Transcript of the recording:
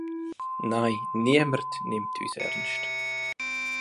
Nein, niemand nimmt uns ernst!